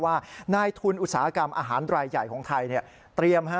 ว่านายทุนอุตสาหกรรมอาหารรายใหญ่ของไทยเตรียม